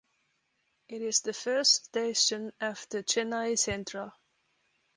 It is the first station after Chennai Central.